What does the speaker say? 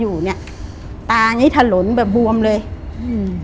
อยู่เนี้ยตางี้ถลนแบบบวมเลยอืม